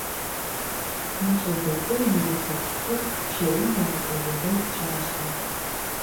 Нэшэбэгум илыхьэпсхэр чэум дагъэкӏоенэу кӏэрашӏагъ.